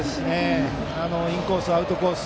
インコース、アウトコース